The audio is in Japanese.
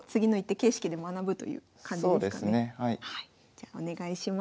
じゃあお願いします。